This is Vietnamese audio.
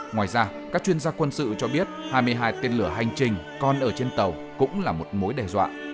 ngoài ra các chuyên gia quân sự cho biết hai mươi hai tên lửa hành trình còn ở trên tàu cũng là một mối đe dọa